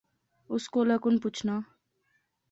اس کولا کُن پچھنا